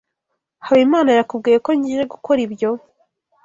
Habimana yakubwiye ko ngiye gukora ibyo?